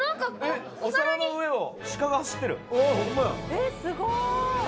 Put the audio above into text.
「えっすごい！」